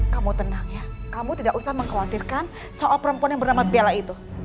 kamu tenang ya kamu tidak usah mengkhawatirkan soal perempuan yang bernama bella itu